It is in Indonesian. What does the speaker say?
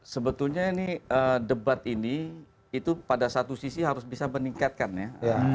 sebetulnya ini debat ini itu pada satu sisi harus bisa meningkatkan ya